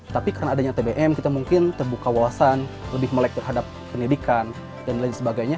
tapi karena adanya tbm kita mungkin terbuka wawasan lebih melek terhadap pendidikan dan lain sebagainya